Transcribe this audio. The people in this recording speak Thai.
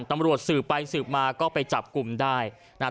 ตำรวจสืบไปสืบมาก็ไปจับกลุ่มได้นะฮะ